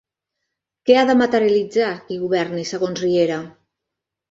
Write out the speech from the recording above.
Què ha de materialitzar qui governi segons Riera?